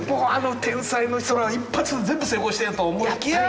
天才の人らは一発で全部成功していると思いきや。